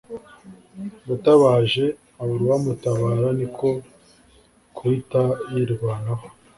Yatabaje abura uwamutabara niko kuhita yirwanaho